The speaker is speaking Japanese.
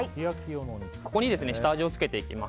ここに下味をつけていきます。